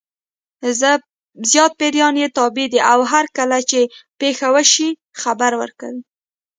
زیات پیریان یې تابع دي او هرکله چې پېښه وشي خبر ورکوي.